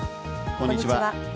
こんにちは。